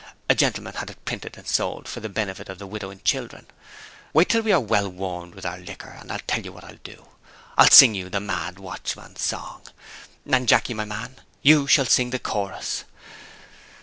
A gentleman had it printed and sold, for the benefit of the widow and children. Wait till we are well warmed with our liquor, and I'll tell you what I'll do I'll sing you the mad watchman's song; and Jacky, my man, you shall sing the chorus!